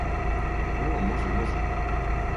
О, може, може.